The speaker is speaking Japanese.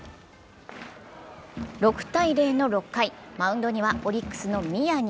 ６−０の６回、マウンドにはオリックスの宮城。